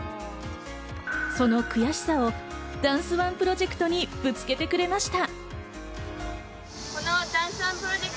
その悔しさをダンスＯＮＥプロジェクトにぶつけてくれました。